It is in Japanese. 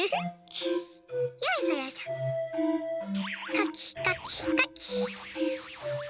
かきかきかき。